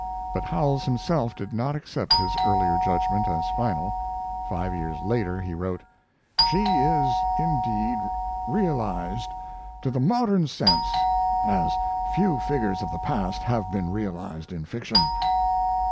But Howells himself did not accept his earlier judgment as final. Five years later he wrote: "She is indeed realized to the modern sense as few figures of the past have been realized in fiction."